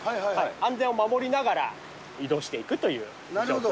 安全を守りながら移動していくとなるほど。